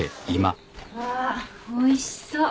わおいしそう。